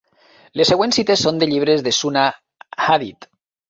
Les següents cites són de llibres de sunna "hadit".